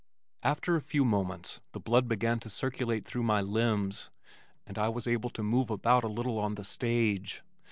After a few moments the blood began to circulate through my limbs and I was able to move about a little on the stage.